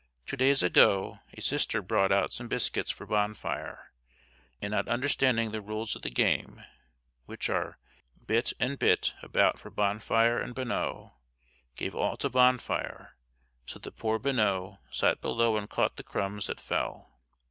Two days ago a Sister brought out some biscuits for Bonfire, and not understanding the rules of the game, which are bit and bit about for Bonfire and Bonneau, gave all to Bonfire, so that poor Bonneau sat below and caught the crumbs that fell.